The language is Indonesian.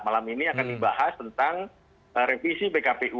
malam ini akan dibahas tentang revisi pkpu